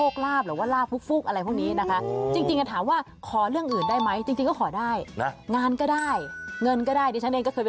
ขอแนะนำให้บุ่งลาภไปทางใต้เลย